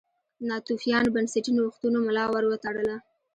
ناتوفیانو بنسټي نوښتونو ملا ور وتړله.